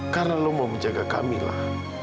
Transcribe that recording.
karena lo mau menjaga kami lah